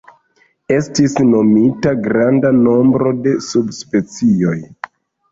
Estis nomita granda nombro de subspecioj.